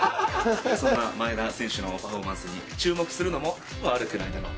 そんな前田選手のパフォーマンスに注目するのも、悪くないだろう。